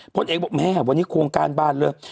พลเอกบอกแม่วันนี้โครงการบ้านเลิก